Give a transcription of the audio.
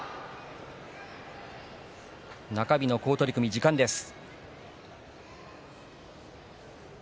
中日の好取組、時間です。